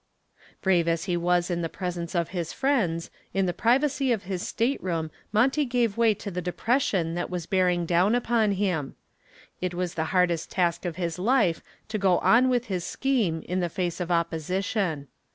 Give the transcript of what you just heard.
Brave as he was in the presence of his friends, in the privacy of his stateroom Monty gave way to the depression that was bearing down upon him. It was the hardest task of his life to go on with his scheme in the face of opposition.